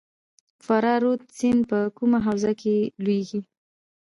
فرا رود سیند په کومه حوزه کې لویږي؟